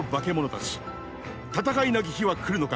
戦いなき日は来るのか。